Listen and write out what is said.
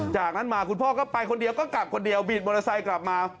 จากนั้นมาคุณพ่อก็ไปคนเดียวก็กลับคนเดียวบีดมอเตอร์ไซค์กลับมา